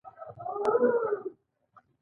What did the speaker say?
خالد به یې چې ولېده زما پر شوخۍ ویل.